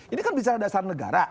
ini kan bicara dasar negara